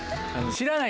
知らない？